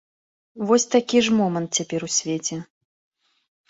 Вось такі ж момант цяпер у свеце.